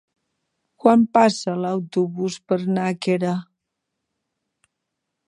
Quan passa l'autobús per Nàquera?